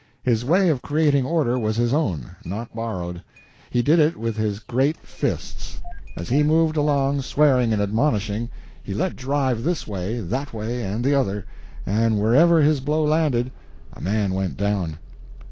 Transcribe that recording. His way of creating order was his own, not borrowed. He did it with his great fists. As he moved along swearing and admonishing, he let drive this way, that way, and the other, and wherever his blow landed, a man went down.